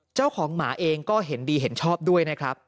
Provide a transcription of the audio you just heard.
เจ้าของหมาเองก็เห็นดีเห็นชอบด้วยนะครับ